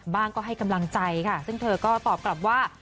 ก็ให้กำลังใจค่ะซึ่งเธอก็ตอบกลับว่า